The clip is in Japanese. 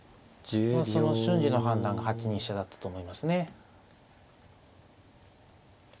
その瞬時の判断が８二飛車だったと思いますね。